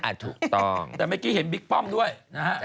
ถูกต้องแต่เมื่อกี้เห็นบิ๊กป้อมด้วยนะฮะ